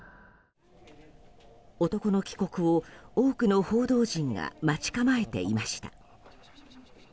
男の帰国を多くの報道陣が待ち構えていました。